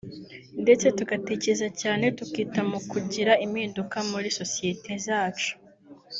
ndetse tugatekereza cyane tukita mu kugira impinduka muri sosiyete zacu